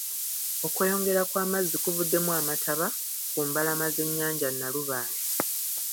Okweyongera kw'amazzi kuvuddemu amataba ku mbalama z'ennyanja Nalubaale.